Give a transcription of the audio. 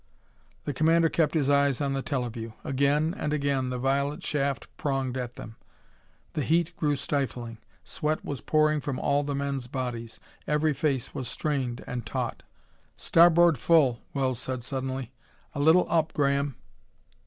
The commander kept his eyes on the teleview. Again and again the violet shaft pronged at them. The heat grew stifling. Sweat was pouring from all the men's bodies. Every face was strained and taut. "Starboard full!" Wells said suddenly. "A little up, Graham!"